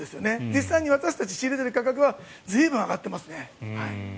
実際に私たち、仕入れている価格は随分上がっていますね。